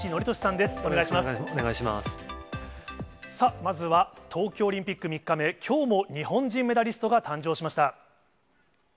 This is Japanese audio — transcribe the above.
まずは東京オリンピック３日目、きょうも日本人メダリストが誕生しました。